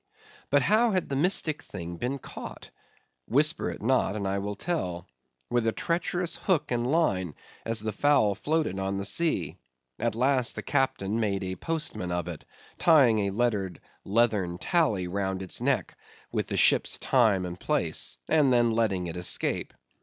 But how had the mystic thing been caught? Whisper it not, and I will tell; with a treacherous hook and line, as the fowl floated on the sea. At last the Captain made a postman of it; tying a lettered, leathern tally round its neck, with the ship's time and place; and then letting it escape.